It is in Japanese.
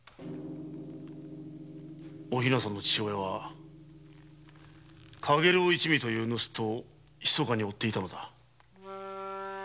お比奈さんの父親は「かげろう一味」という盗っ人を密かに追っていたのだ。